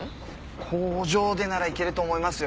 工場でならいけると思いますよ。